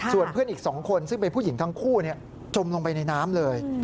ส่วนเพื่อนอีก๒คนซึ่งเป็นผู้หญิงทั้งคู่จมลงไปในน้ำเลย